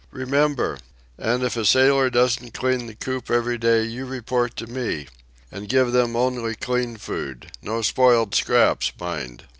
"Remember. And if a sailor doesn't clean the coop each day, you report to me. And give them only clean food—no spoiled scraps, mind.